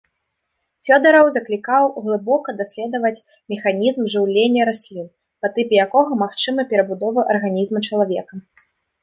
Фёдараў заклікаў глыбока даследаваць механізм жыўлення раслін, па тыпе якога магчымы перабудовы арганізма чалавека.